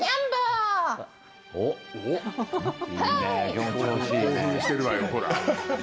興奮してるわよほらっ。